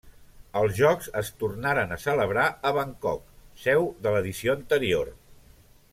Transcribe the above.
Els Jocs es tornaren a celebrar a Bangkok, seu de l'edició anterior.